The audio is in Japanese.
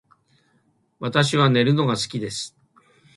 私は寝るのが好きです